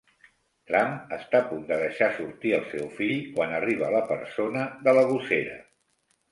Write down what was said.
Tramp està a punt de deixar sortir el seu fill quan arriba la persona de la gossera.